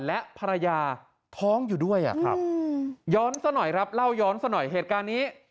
และภรรยาท้องอยู่ด้วยย้อนซะหน่อยครับเล่าย้อนซะหน่อยเหตุการณ์นี้